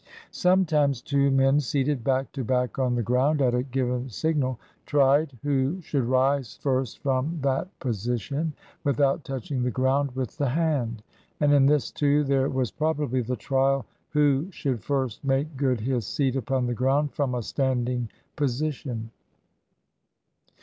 Sometimes two men, seated back to back on the ground, at a given signal tried who should rise first from that position, without touching the ground with the 25 EGYPT. hand. And in this, too, there was probably the trial who should first make good his seat upon the ground, from a standing position.